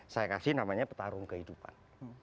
saya kasih namanya petarung kehidupan